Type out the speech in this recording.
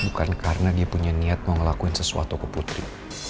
bukan karena dia punya niat mau ngelakuin sesuatu ke putri